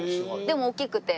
でも大きくて。